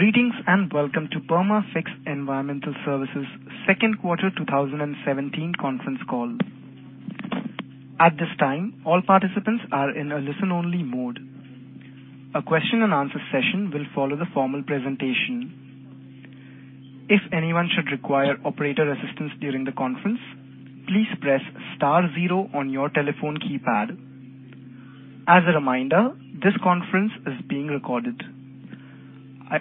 Greetings, welcome to Perma-Fix Environmental Services' second quarter 2017 conference call. At this time, all participants are in a listen-only mode. A question and answer session will follow the formal presentation. If anyone should require operator assistance during the conference, please press star zero on your telephone keypad. As a reminder, this conference is being recorded.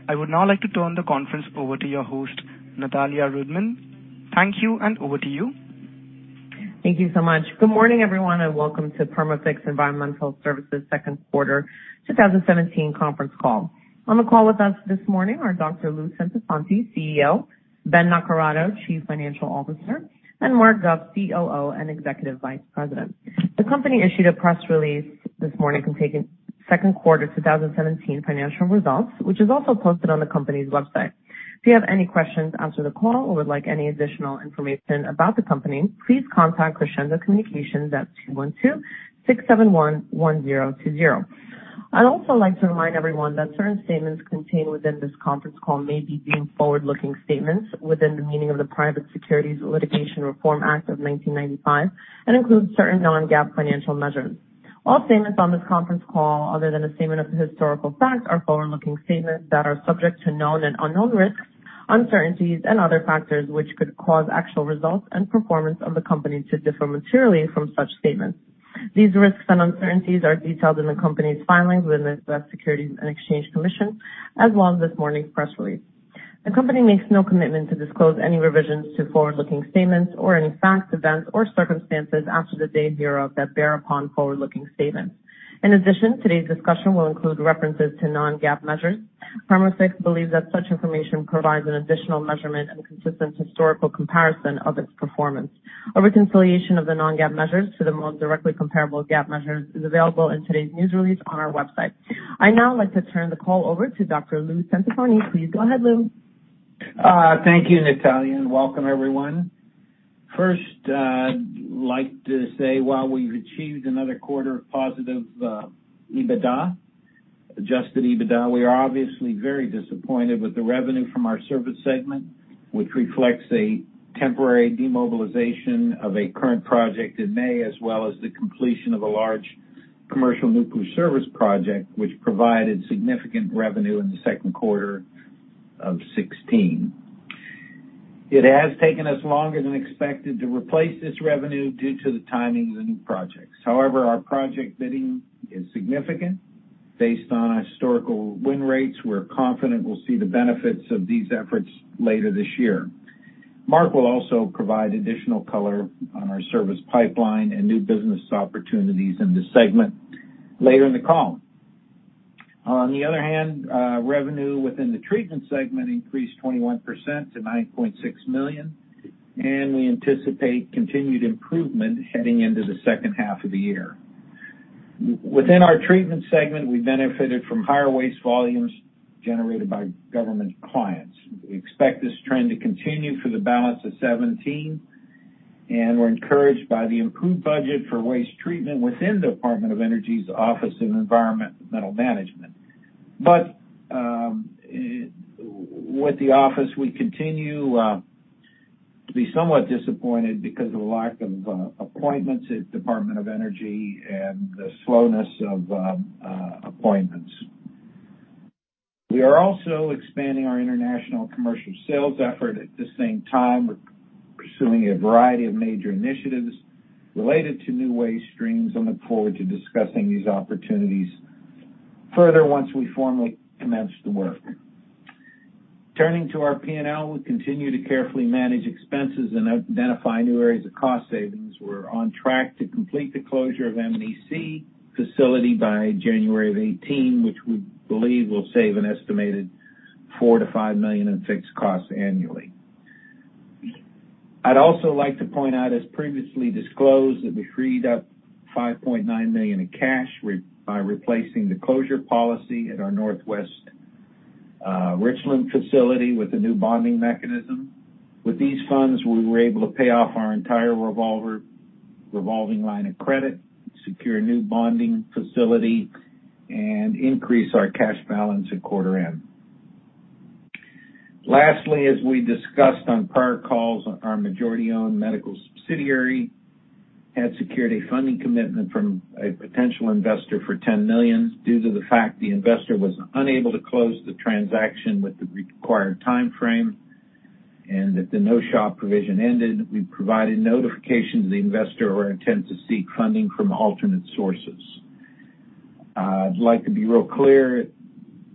I would now like to turn the conference over to your host, Natalie Rudman. Thank you, and over to you. Thank you so much. Good morning, everyone, welcome to Perma-Fix Environmental Services' second quarter 2017 conference call. On the call with us this morning are Dr. Lou Centofanti, CEO; Ben Naccarato, Chief Financial Officer; and Mark Duff, COO and Executive Vice President. The company issued a press release this morning containing second quarter 2017 financial results, which is also posted on the company's website. If you have any questions after the call or would like any additional information about the company, please contact Crescendo Communications at 212-671-1020. I'd also like to remind everyone that certain statements contained within this conference call may be deemed forward-looking statements within the meaning of the Private Securities Litigation Reform Act of 1995 and include certain non-GAAP financial measures. All statements on this conference call, other than a statement of historical facts, are forward-looking statements that are subject to known and unknown risks, uncertainties, and other factors which could cause actual results and performance of the company to differ materially from such statements. These risks and uncertainties are detailed in the company's filings with the Securities and Exchange Commission, as well as this morning's press release. The company makes no commitment to disclose any revisions to forward-looking statements or any facts, events, or circumstances after the date hereof that bear upon forward-looking statements. In addition, today's discussion will include references to non-GAAP measures. Perma-Fix believes that such information provides an additional measurement and consistent historical comparison of its performance. A reconciliation of the non-GAAP measures to the most directly comparable GAAP measures is available in today's news release on our website. I'd now like to turn the call over to Dr. Lou Centofanti. Please go ahead, Lou. Thank you, Natalie Rudman, and welcome, everyone. First, I'd like to say while we've achieved another quarter of positive EBITDA, adjusted EBITDA, we are obviously very disappointed with the revenue from our service segment, which reflects a temporary demobilization of a current project in May, as well as the completion of a large commercial nuclear service project which provided significant revenue in the second quarter of 2016. It has taken us longer than expected to replace this revenue due to the timing of the new projects. However, our project bidding is significant. Based on historical win rates, we're confident we'll see the benefits of these efforts later this year. Mark will also provide additional color on our service pipeline and new business opportunities in this segment later in the call. On the other hand, revenue within the treatment segment increased 21% to $9.6 million. We anticipate continued improvement heading into the second half of the year. Within our treatment segment, we benefited from higher waste volumes generated by government clients. We expect this trend to continue for the balance of 2017, and we're encouraged by the improved budget for waste treatment within the Department of Energy's Office of Environmental Management. With the office, we continue to be somewhat disappointed because of the lack of appointments at Department of Energy and the slowness of appointments. We are also expanding our international commercial sales effort. At the same time, we're pursuing a variety of major initiatives related to new waste streams and look forward to discussing these opportunities further once we formally commence the work. Turning to our P&L, we continue to carefully manage expenses and identify new areas of cost savings. We're on track to complete the closure of the M&EC facility by January of 2018, which we believe will save an estimated $4 million-$5 million in fixed costs annually. I'd also like to point out, as previously disclosed, that we freed up $5.9 million in cash by replacing the closure policy at our Perma-Fix Northwest facility with a new bonding mechanism. With these funds, we were able to pay off our entire revolving line of credit, secure a new bonding facility, and increase our cash balance at quarter end. Lastly, as we discussed on prior calls, our majority-owned medical subsidiary had secured a funding commitment from a potential investor for $10 million. Due to the fact the investor was unable to close the transaction with the required timeframe and that the no-shop provision ended, we provided notification to the investor of our intent to seek funding from alternate sources. I'd like to be real clear,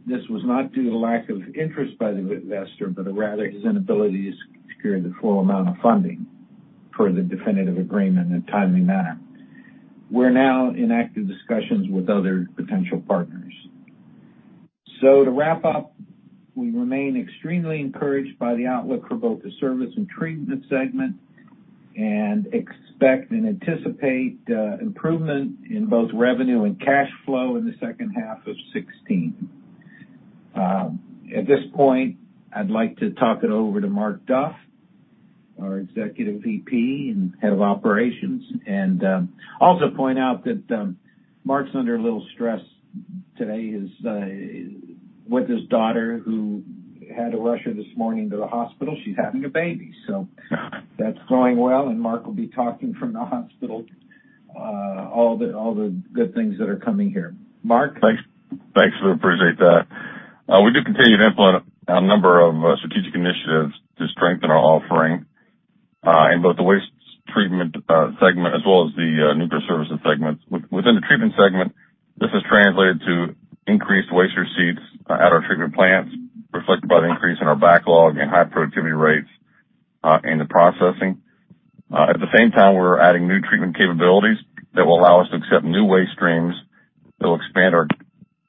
this was not due to lack of interest by the investor, but rather his inability to secure the full amount of funding per the definitive agreement in a timely manner. We're now in active discussions with other potential partners. To wrap up, we remain extremely encouraged by the outlook for both the service and treatment segment and expect and anticipate improvement in both revenue and cash flow in the second half of 2017. At this point, I'd like to talk it over to Mark Duff. Our Executive VP and Head of Operations. Also point out that Mark's under a little stress today. He's with his daughter, who had to rush her this morning to the hospital. She's having a baby. That's going well, and Mark will be talking from the hospital. All the good things that are coming here. Mark? Thanks, Lou. Appreciate that. We do continue to implement a number of strategic initiatives to strengthen our offering in both the waste treatment segment as well as the nuclear services segments. Within the treatment segment, this has translated to increased waste receipts at our treatment plants, reflected by the increase in our backlog and high productivity rates in the processing. At the same time, we're adding new treatment capabilities that will allow us to accept new waste streams, that will expand our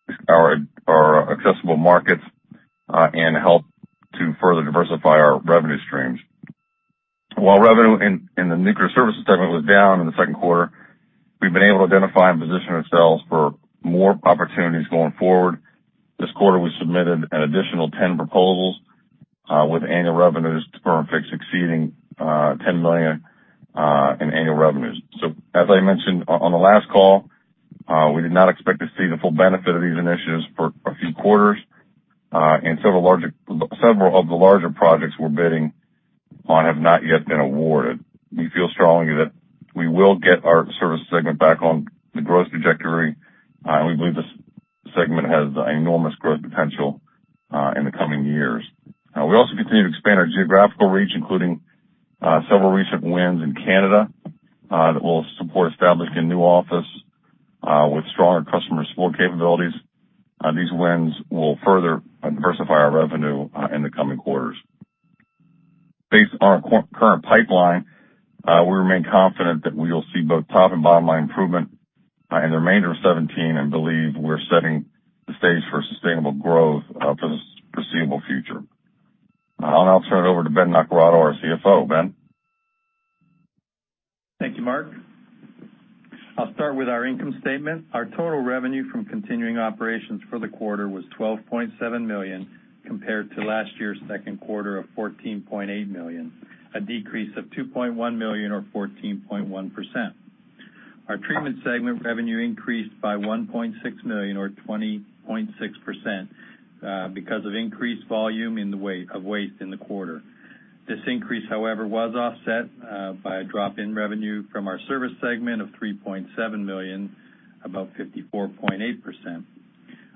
accessible markets, and help to further diversify our revenue streams. While revenue in the nuclear service segment was down in the second quarter, we've been able to identify and position ourselves for more opportunities going forward. This quarter, we submitted an additional 10 proposals with annual revenues to Perma-Fix exceeding $10 million in annual revenues. As I mentioned on the last call, we did not expect to see the full benefit of these initiatives for a few quarters. Several of the larger projects we're bidding on have not yet been awarded. We feel strongly that we will get our service segment back on the growth trajectory. We believe this segment has enormous growth potential in the coming years. We also continue to expand our geographical reach, including several recent wins in Canada that will support establishing a new office with stronger customer support capabilities. These wins will further diversify our revenue in the coming quarters. Based on our current pipeline, we remain confident that we will see both top and bottom line improvement in the remainder of 2017, and believe we're setting the stage for sustainable growth for the foreseeable future. I'll now turn it over to Ben Naccarato, our CFO. Ben? Thank you, Mark. I'll start with our income statement. Our total revenue from continuing operations for the quarter was $12.7 million, compared to last year's second quarter of $14.8 million, a decrease of $2.1 million or 14.1%. Our treatment segment revenue increased by $1.6 million or 20.6% because of increased volume of waste in the quarter. This increase, however, was offset by a drop in revenue from our service segment of $3.7 million, about 54.8%.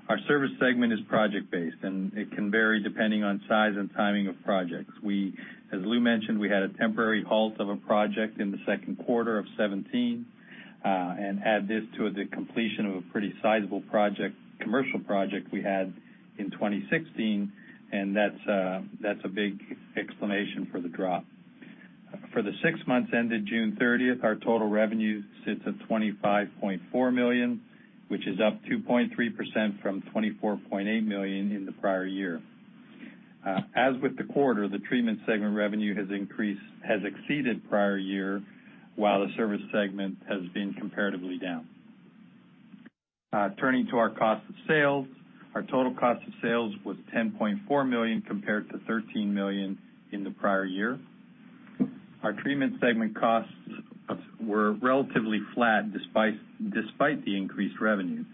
Our service segment is project-based, it can vary depending on size and timing of projects. As Lou mentioned, we had a temporary halt of a project in the second quarter of 2017, add this to the completion of a pretty sizable commercial project we had in 2016, that's a big explanation for the drop. For the six months ended June 30th, our total revenue sits at $25.4 million, which is up 2.3% from $24.8 million in the prior year. As with the quarter, the treatment segment revenue has exceeded prior year, while the service segment has been comparatively down. Turning to our cost of sales, our total cost of sales was $10.4 million compared to $13 million in the prior year. Our treatment segment costs were relatively flat despite the increased revenue.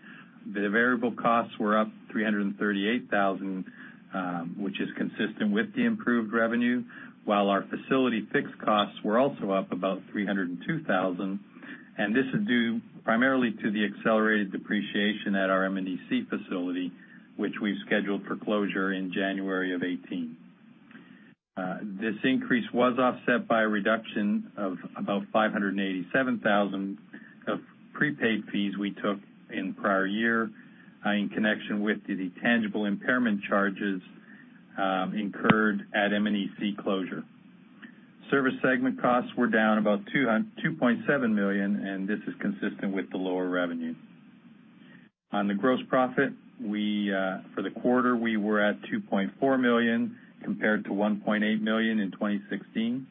The variable costs were up $338,000, which is consistent with the improved revenue, while our facility fixed costs were also up about $302,000. This is due primarily to the accelerated depreciation at our M&EC facility, which we've scheduled for closure in January of 2018. This increase was offset by a reduction of about $587,000 of prepaid fees we took in prior year in connection with the tangible impairment charges incurred at M&EC closure. Service segment costs were down about $2.7 million. This is consistent with the lower revenue. On the gross profit, for the quarter, we were at $2.4 million, compared to $1.8 million in 2016.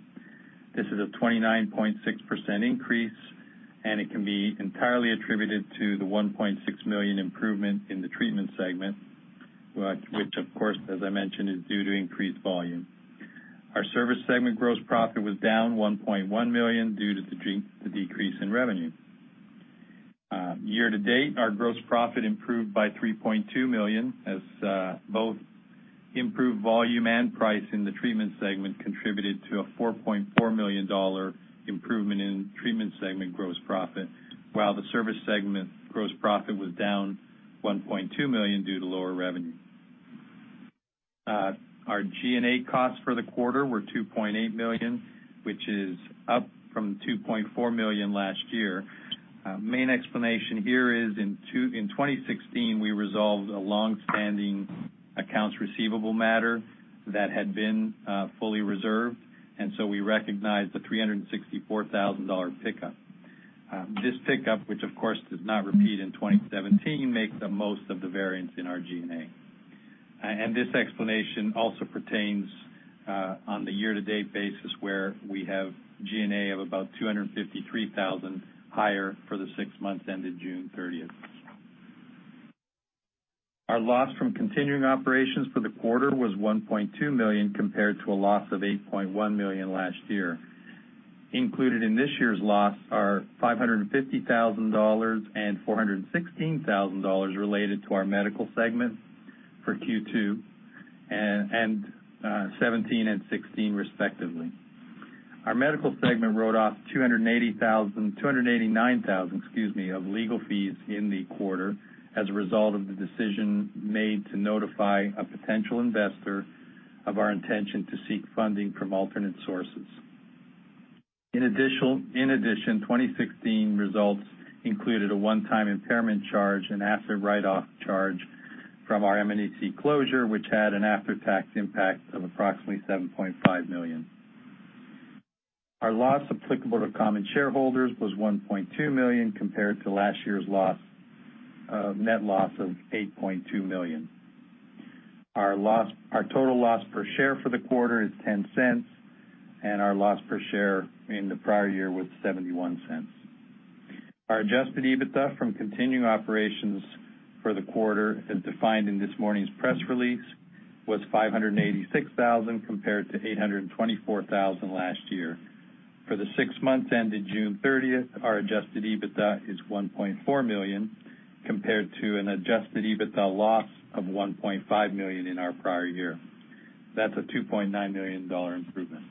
This is a 29.6% increase, and it can be entirely attributed to the $1.6 million improvement in the treatment segment, which of course, as I mentioned, is due to increased volume. Our service segment gross profit was down $1.1 million due to the decrease in revenue. Year to date, our gross profit improved by $3.2 million as both improved volume and price in the treatment segment contributed to a $4.4 million improvement in treatment segment gross profit, while the service segment gross profit was down $1.2 million due to lower revenue. Our G&A costs for the quarter were $2.8 million, which is up from $2.4 million last year. Main explanation here is in 2016, we resolved a longstanding accounts receivable matter that had been fully reserved. We recognized a $364,000 pickup. This pickup, which of course does not repeat in 2017, makes the most of the variance in our G&A. This explanation also pertains on the year to date basis, where we have G&A of about $253,000 higher for the six months ended June 30th. Our loss from continuing operations for the quarter was $1.2 million compared to a loss of $8.1 million last year. Included in this year's loss are $550,000 and $416,000 related to our medical segment for Q2, 2017 and 2016 respectively. Our medical segment wrote off $289,000 of legal fees in the quarter as a result of the decision made to notify a potential investor of our intention to seek funding from alternate sources. In addition, 2016 results included a one-time impairment charge and asset write-off charge from our M&EC closure, which had an after-tax impact of approximately $7.5 million. Our loss applicable to common shareholders was $1.2 million compared to last year's net loss of $8.2 million. Our total loss per share for the quarter is $0.10. Our loss per share in the prior year was $0.71. Our adjusted EBITDA from continuing operations for the quarter, as defined in this morning's press release, was $586,000 compared to $824,000 last year. For the six months ended June 30th, our adjusted EBITDA is $1.4 million, compared to an adjusted EBITDA loss of $1.5 million in our prior year. That's a $2.9 million improvement.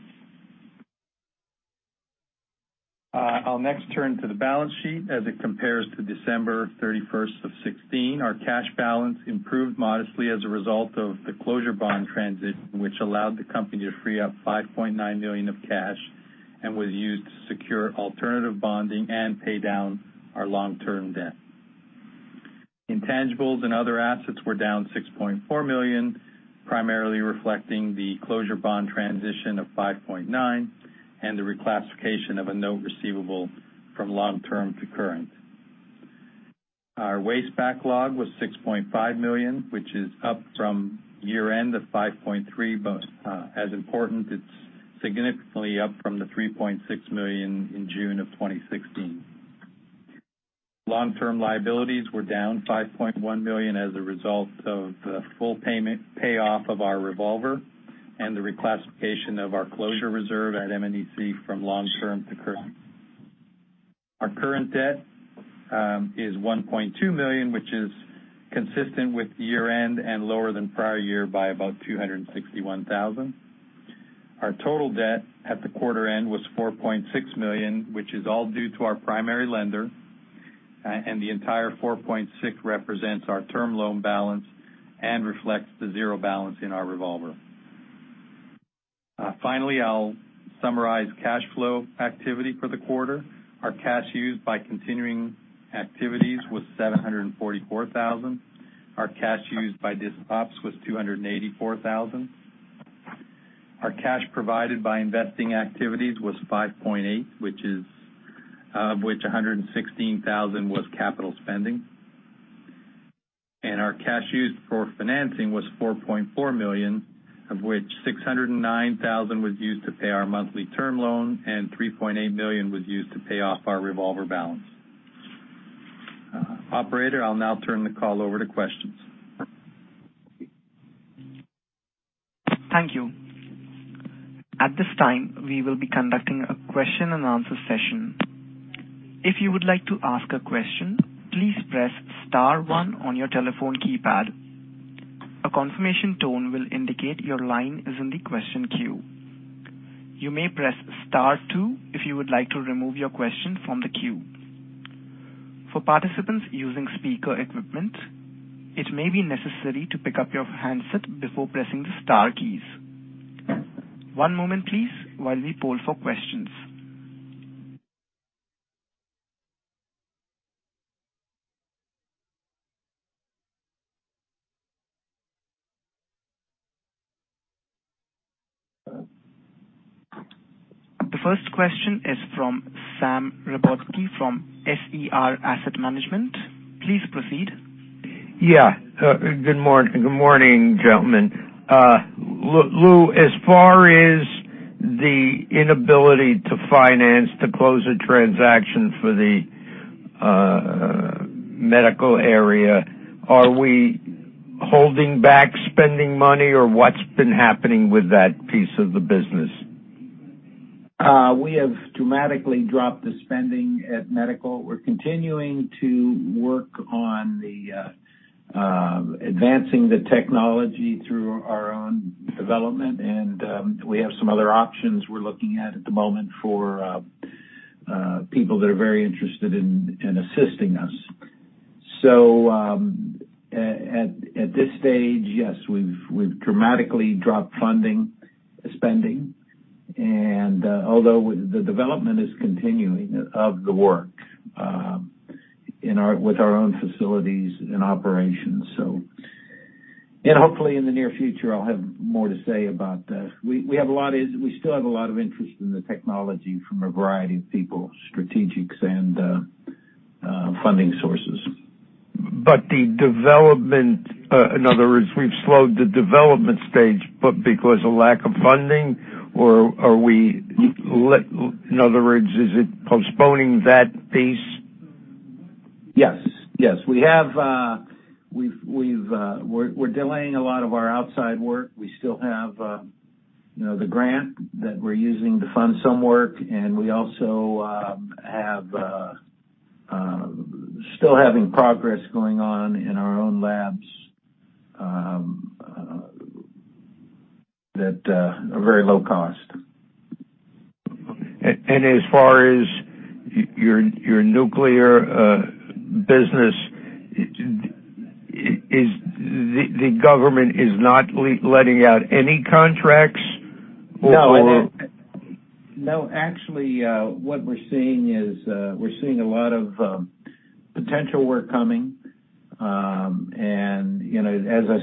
I'll next turn to the balance sheet as it compares to December 31st of 2016. Our cash balance improved modestly as a result of the closure bond transition, which allowed the company to free up $5.9 million of cash and was used to secure alternative bonding and pay down our long-term debt. Intangibles and other assets were down $6.4 million, primarily reflecting the closure bond transition of $5.9 million and the reclassification of a note receivable from long-term to current. Our waste backlog was $6.5 million, which is up from year-end of $5.3 million, as important, it's significantly up from the $3.6 million in June of 2016. Long-term liabilities were down $5.1 million as a result of the full payoff of our revolver and the reclassification of our closure reserve at M&EC from long-term to current. Our current debt is $1.2 million, which is consistent with year-end and lower than prior year by about $261,000. Our total debt at the quarter end was $4.6 million, which is all due to our primary lender, and the entire $4.6 million represents our term loan balance and reflects the zero balance in our revolver. Finally, I'll summarize cash flow activity for the quarter. Our cash used by continuing activities was $744,000. Our cash used by disc ops was $284,000. Our cash provided by investing activities was $5.8 million, which $116,000 was capital spending. Our cash used for financing was $4.4 million, of which $609,000 was used to pay our monthly term loan and $3.8 million was used to pay off our revolver balance. Operator, I'll now turn the call over to questions. Thank you. At this time, we will be conducting a question and answer session. If you would like to ask a question, please press star one on your telephone keypad. A confirmation tone will indicate your line is in the question queue. You may press star two if you would like to remove your question from the queue. For participants using speaker equipment, it may be necessary to pick up your handset before pressing the star keys. One moment please while we poll for questions. The first question is from Sam Robotki from SER Asset Management. Please proceed. Yeah. Good morning, gentlemen. Lou, as far as the inability to finance to close a transaction for the medical area, are we holding back spending money, or what's been happening with that piece of the business? We have dramatically dropped the spending at medical. We're continuing to work on advancing the technology through our own development. We have some other options we're looking at at the moment for people that are very interested in assisting us. At this stage, yes, we've dramatically dropped funding spending and although the development is continuing of the work with our own facilities and operations. Hopefully in the near future, I'll have more to say about that. We still have a lot of interest in the technology from a variety of people, strategics, and funding sources. The development, in other words, we've slowed the development stage, but because of lack of funding, or in other words, is it postponing that piece? Yes. We're delaying a lot of our outside work. We still have the grant that we're using to fund some work, and we also still having progress going on in our own labs at a very low cost. As far as your nuclear business, the government is not letting out any contracts? No. Actually, what we're seeing is, we're seeing a lot of potential work coming. As I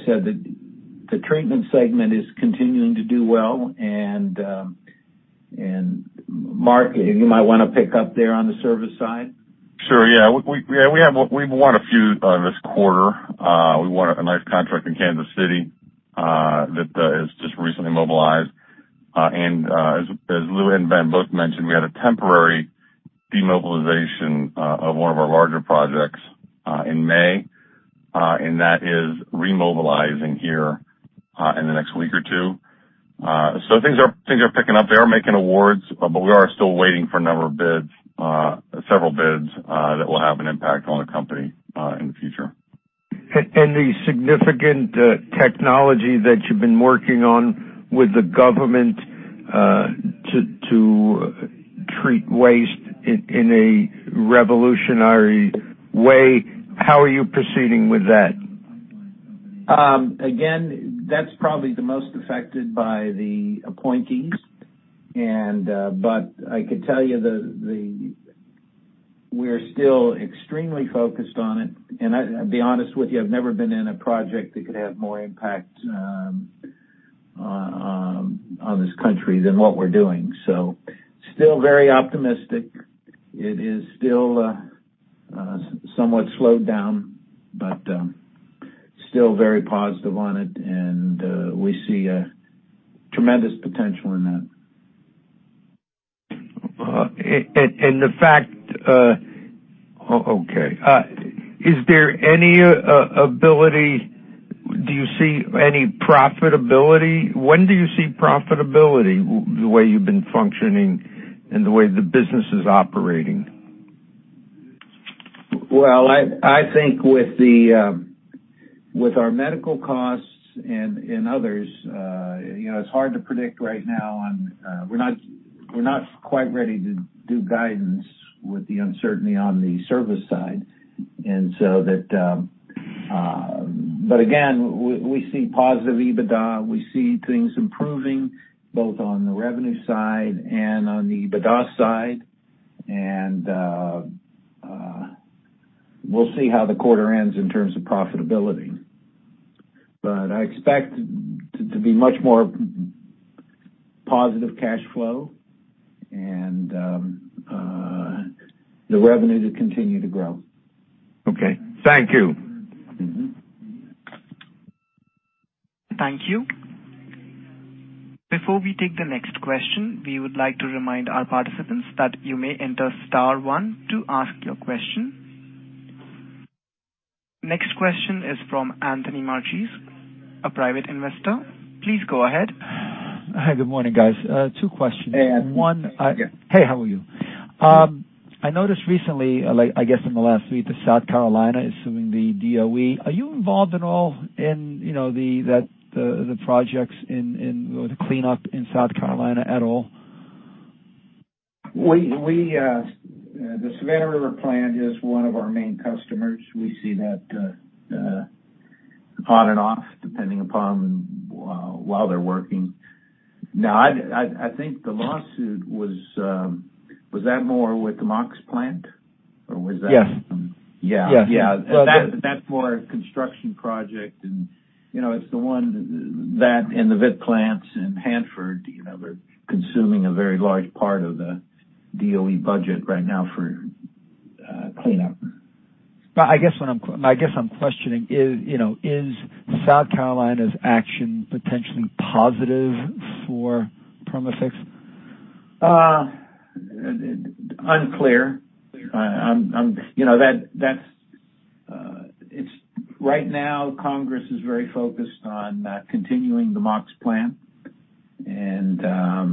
said, the treatment segment is continuing to do well. Mark, you might want to pick up there on the service side. Sure, yeah. We've won a few this quarter. We won a nice contract in Kansas City that has just recently mobilized. As Lou and Ben both mentioned, we had a temporary demobilization of one of our larger projects in May, and that is remobilizing here in the next week or two. Things are picking up. They are making awards, we are still waiting for a number of bids, several bids, that will have an impact on the company in the future. The significant technology that you've been working on with the government to treat waste in a revolutionary way, how are you proceeding with that? That's probably the most affected by the appointees. I could tell you that we're still extremely focused on it. I'll be honest with you, I've never been in a project that could have more impact on this country than what we're doing. Still very optimistic. It is still somewhat slowed down, but still very positive on it, and we see a tremendous potential in that. The fact Okay. Is there any ability, do you see any profitability? When do you see profitability, the way you've been functioning and the way the business is operating? Well, I think with our medical costs and others, it's hard to predict right now. We're not quite ready to do guidance with the uncertainty on the service side. Again, we see positive EBITDA. We see things improving both on the revenue side and on the EBITDA side. We'll see how the quarter ends in terms of profitability. I expect to be much more positive cash flow and the revenue to continue to grow. Okay. Thank you. Thank you. Before we take the next question, we would like to remind our participants that you may enter star one to ask your question. Next question is from Anthony Margies, a private investor. Please go ahead. Hi, good morning, guys. Two questions. Hey, Anthony. Hey, how are you? I noticed recently, I guess in the last week, that South Carolina is suing the DOE. Are you involved at all in the projects in the cleanup in South Carolina at all? The Savannah River plant is one of our main customers. We see that on and off, depending upon while they're working. I think the lawsuit, was that more with the MOX plant? Or was that? Yes. Yeah. Yes. That's more a construction project and it's the one that, and the Vit Plant in Hanford, they're consuming a very large part of the DOE budget right now for cleanup. I guess what I'm questioning, is South Carolina's action potentially positive for Perma-Fix? Right now, Congress is very focused on continuing the MOX plant. For the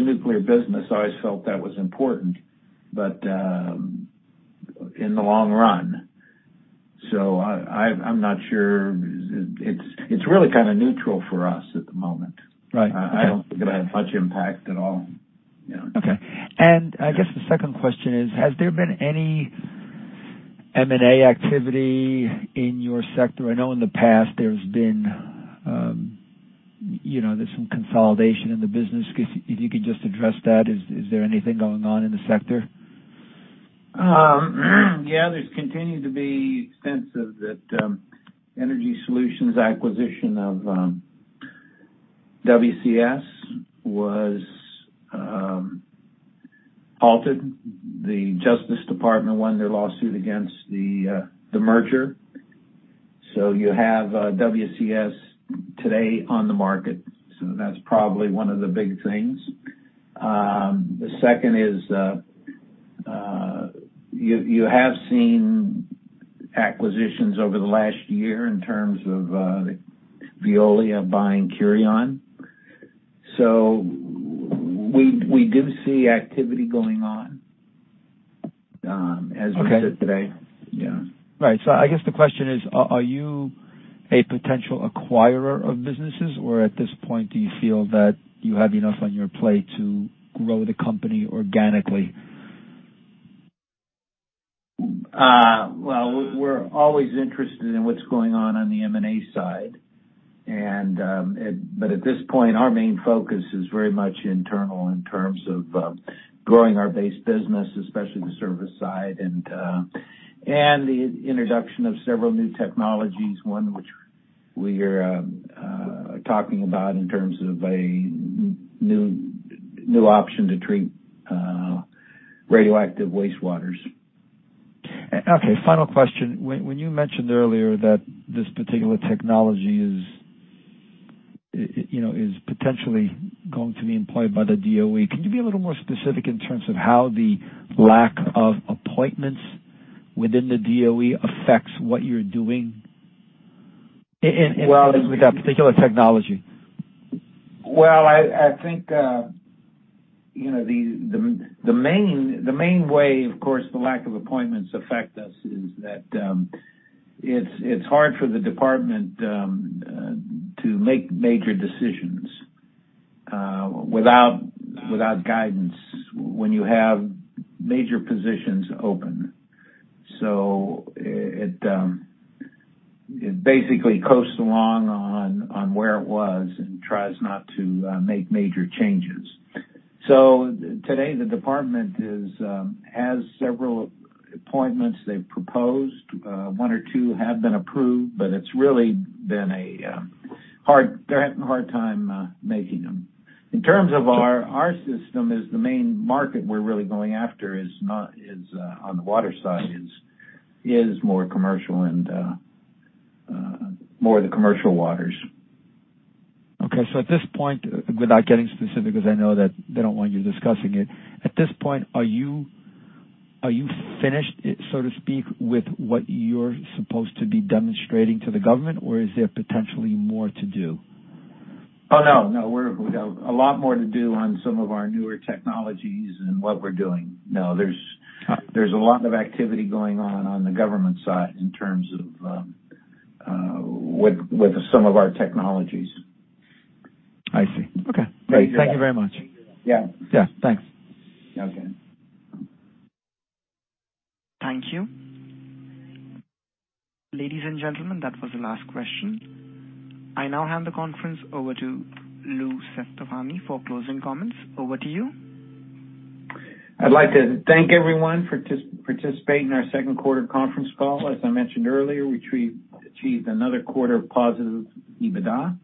nuclear business, I always felt that was important, but in the long run. I'm not sure. It's really kind of neutral for us at the moment. Right. Okay. I don't think it'll have much impact at all. Yeah. Okay. I guess the second question is, has there been any M&A activity in your sector? I know in the past there's been some consolidation in the business. If you could just address that. Is there anything going on in the sector? Yeah, there's continued to be sense of that EnergySolutions acquisition of WCS was halted. The Justice Department won their lawsuit against the merger. You have WCS today on the market, so that's probably one of the big things. The second is, you have seen acquisitions over the last year in terms of Veolia buying Kurion. We do see activity going on as we sit today. Okay. Yeah. Right. I guess the question is, are you a potential acquirer of businesses, or at this point, do you feel that you have enough on your plate to grow the company organically? Well, we're always interested in what's going on on the M&A side. At this point, our main focus is very much internal in terms of growing our base business, especially the service side, and the introduction of several new technologies. One which we are talking about in terms of a new option to treat radioactive wastewaters. Okay. Final question. When you mentioned earlier that this particular technology is potentially going to be employed by the DOE, could you be a little more specific in terms of how the lack of appointments within the DOE affects what you're doing in terms of that particular technology? Well, I think the main way, of course, the lack of appointments affect us is that it's hard for the Department to make major decisions without guidance when you have major positions open. It basically coasts along on where it was and tries not to make major changes. Today, the Department has several appointments they've proposed. One or two have been approved, but they're having a hard time making them. In terms of our system, is the main market we're really going after on the water side is more the commercial waters. Okay. At this point, without getting specific, because I know that they don't want you discussing it. At this point, are you finished, so to speak, with what you're supposed to be demonstrating to the Government, or is there potentially more to do? Oh, no. We have a lot more to do on some of our newer technologies and what we're doing. No, there's. Okay A lot of activity going on on the Government side in terms of with some of our technologies. I see. Okay. Great. Thank you very much. Yeah. Yeah, thanks. Okay. Thank you. Ladies and gentlemen, that was the last question. I now hand the conference over to Lou Centofanti for closing comments. Over to you. I'd like to thank everyone for participating in our second quarter conference call. As I mentioned earlier, we achieved another quarter of positive EBITDA.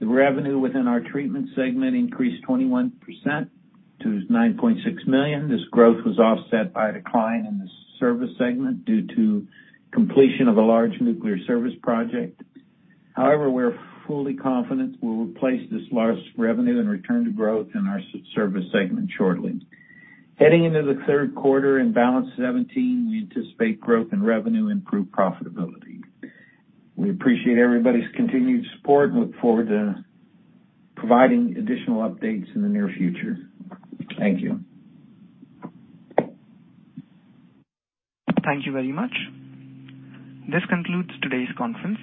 The revenue within our treatment segment increased 21% to $9.6 million. This growth was offset by a decline in the service segment due to completion of a large nuclear service project. However, we're fully confident we'll replace this lost revenue and return to growth in our service segment shortly. Heading into the third quarter in balance 2017, we anticipate growth in revenue, improved profitability. We appreciate everybody's continued support and look forward to providing additional updates in the near future. Thank you. Thank you very much. This concludes today's conference.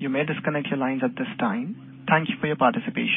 You may disconnect your lines at this time. Thank you for your participation.